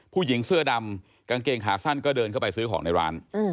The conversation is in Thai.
ผู้หญิงเสื้อดำกางเกงขาสั้นก็เดินเข้าไปซื้อของในร้าน